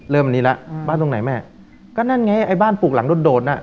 นี้แล้วบ้านตรงไหนแม่ก็นั่นไงไอ้บ้านปลูกหลังโดดโดดน่ะ